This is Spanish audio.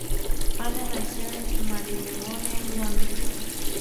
Ana nació en Marylebone, Londres.